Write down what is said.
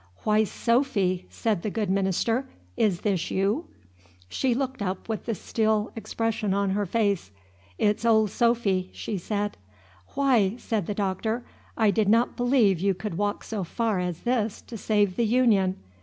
"Why, Sophy!" said the good minister, "is this you?" She looked up with the still expression on her face. "It's ol' Sophy," she said. "Why," said the Doctor, "I did not believe you could walk so far as this to save the Union.